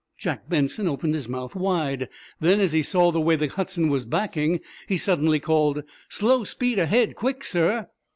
Jack Benson opened his mouth wide. Then, as he saw the way the "Hudson" was backing, he suddenly called: "Slow speed ahead, quick, sir!"